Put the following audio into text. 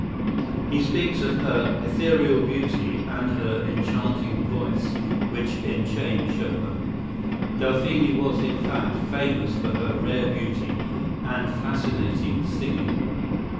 He speaks of her "ethereal beauty" and her "enchanting voice" which enchained Chopin. Delphine was, in fact, "famous for her rare beauty and fascinating singing."